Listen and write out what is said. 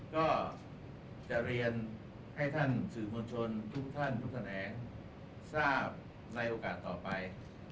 ก็จะเรียนให้ท่านสื่อมวลชนทุกท่านทุกแขนงทราบในโอกาสต่อไป